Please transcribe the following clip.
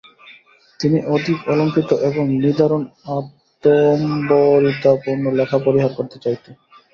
তিনি অধিক অলঙ্কৃত এবং নিদারুণ আত্মম্ভরিতাপূর্ণ লেখা পরিহার করতে চাইতে।